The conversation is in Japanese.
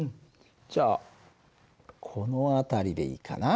じゃあこの辺りでいいかな。